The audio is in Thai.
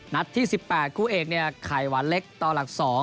นัดที่๑๘คู่เอกไขวัลเล็กตอนหลัก๒